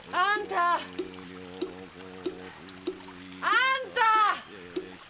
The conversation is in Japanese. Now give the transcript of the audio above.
あんたー！